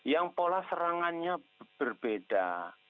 yang pola serangannya berbeda